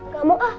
gak mau ah